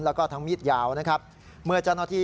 และกินละตัวเมื่อเจ้าหน้าที่